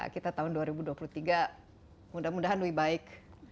kita tahun dua ribu dua puluh tiga mudah mudahan lebih baik